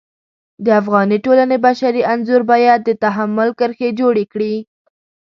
د افغاني ټولنې بشري انځور باید د تحمل کرښې جوړې کړي.